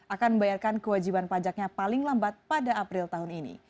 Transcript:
akan membayarkan kewajiban pajaknya paling lambat pada april tahun ini